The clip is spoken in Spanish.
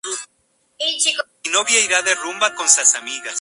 Se distribuye en Indonesia, Malasia, Birmania y Tailandia.